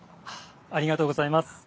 ありがとうございます。